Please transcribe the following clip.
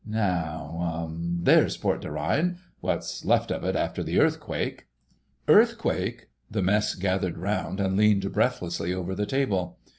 "Now—there's Port des Reines: what's left of it after the earthquake." "Earthquake!" The Mess gathered round and leaned breathlessly over the table.